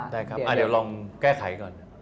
ได้ครับเดี๋ยวลองแก้ไขก่อน